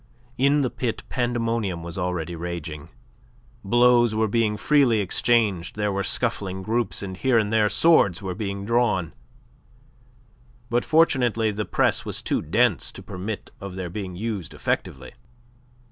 In the pit pandemonium was already raging. Blows were being freely exchanged; there were scuffling groups, and here and there swords were being drawn, but fortunately the press was too dense to permit of their being used effectively.